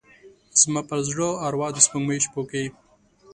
زما پر زړه او اروا د سپوږمۍ شپوکې،